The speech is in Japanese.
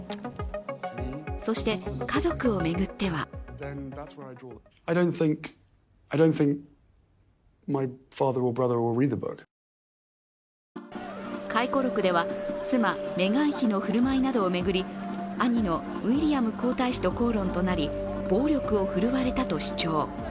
そして家族を巡っては回顧録では、妻・メガン妃の振る舞いなどを巡り兄のウィリアム皇太子と口論となり暴力を振るわれたと主張。